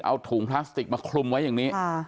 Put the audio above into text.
เอาถุงพลาสติกมาคลุมไว้อย่างนี้